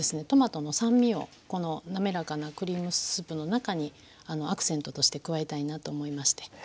トマトの酸味をこの滑らかなクリームスープの中にアクセントとして加えたいなと思いまして。